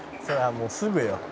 もうすぐよ」